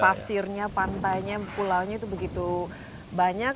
pasirnya pantainya pulau nya itu begitu banyak